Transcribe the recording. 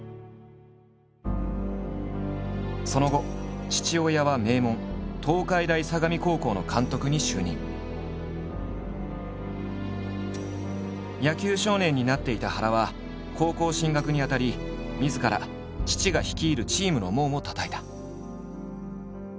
その後父親は名門野球少年になっていた原は高校進学にあたりみずから父が率いるチームの門をたたいた。